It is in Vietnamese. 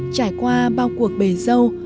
trải qua bao cuộc bề dâu